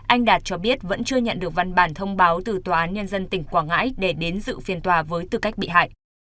anh đạt cho biết vẫn chưa nhận được văn bản thông báo từ tòa án nhân dân tỉnh quảng ngãi để đến dự phiên tòa với tư cách bị hại